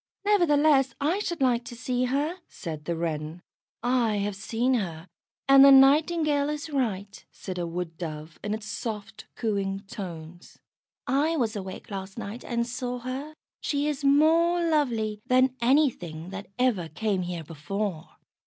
"Nevertheless, I should like to see her," said the Wren. "I have seen her, and the Nightingale is right," said a Wood dove in its soft, cooing tones. "I was awake last night and saw her; she is more lovely than anything that ever came here before."